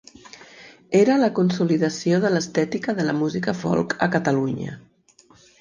Era la consolidació de l’estètica de la música folk a Catalunya.